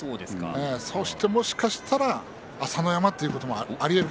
そして、もしかしたら朝乃山ということもありえる